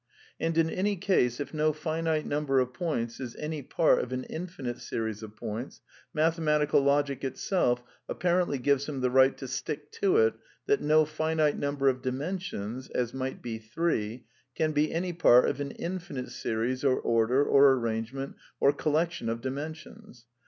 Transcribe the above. And, in any case, if no finite number of points is any part of an infinite series of points, mathematical logic itself apparently gives him the right to stick to it that no finite number of dimensions (as might be three), can be any part of an infinite series or order or arrangement or ^ ^collection of dimensions.